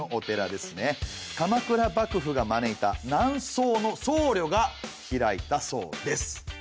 鎌倉幕府が招いた南宋のそうりょが開いたそうです。